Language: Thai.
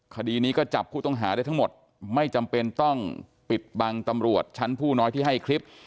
คดีนี้ก็จับผู้ต้องหาได้ทั้งหมดไม่จำเป็นต้องปิดบังตำรวจชั้นผู้น้อยที่ให้คลิป